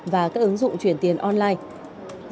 và các ứng dụng chuyển tiền online